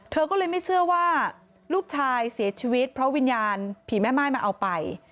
เธอก็เลยไม่เชื่อว่าลูกชายเสียชีวิตเพราะวิญญาณผีแม่ม่ายมาเอาไป